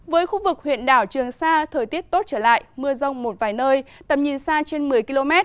với khu vực huyện đảo trường sa thời tiết tốt trở lại mưa rông một vài nơi tầm nhìn xa trên một mươi km